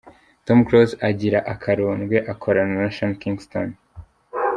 Tom Close agira akarondwe akorana na Sean Kingston ,.